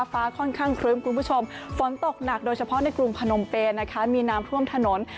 ค่อนข้างครึ้มคุณผู้ชมฝนตกหนักโดยเฉพาะในกรุงพนมเปนนะคะมีน้ำท่วมถนน